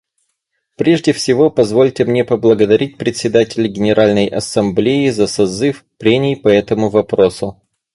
Прежде всего, позвольте мне поблагодарить Председателя Генеральной Ассамблеи за созыв прений по этому вопросу.